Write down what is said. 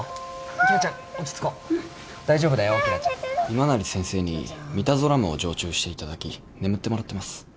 今成先生にミダゾラムを静注していただき眠ってもらってます。